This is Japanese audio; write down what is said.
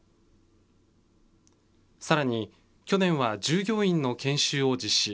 さらに、去年は従業員の研修を実施。